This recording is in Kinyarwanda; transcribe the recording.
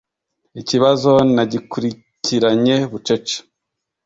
Ikibazo nagikurikiranye bucece